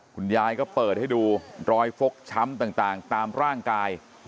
คุณยายก็เปิดให้ดูรอยฟกช้ำต่างตามร่างกาย